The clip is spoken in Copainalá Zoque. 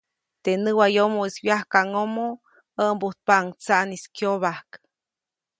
Teʼ näwayomoʼis wyajkaʼŋʼomo ʼäʼmbujtpaʼuŋ tsaʼnis kyobajk.